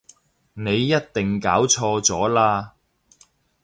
你一定搞錯咗喇